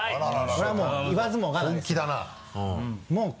これはもう言わずもがなです。